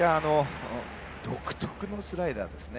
独特のスライダーですね。